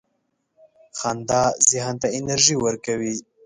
• خندا ذهن ته انرژي ورکوي.